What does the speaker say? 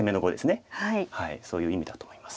そういう意味だと思います。